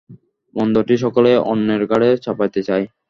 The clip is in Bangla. মন্দটি সকলেই অন্যের ঘাড়ে চাপাইতে চায়।